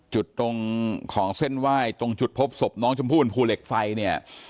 จุดตรงของเส้นไหว้ตรงจุดพบศพน้องชมพู่บนภูเหล็กไฟเนี่ย